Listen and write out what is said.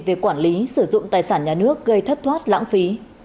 về quản lý sử dụng tài sản nhà nước gây thất thoát lãng phí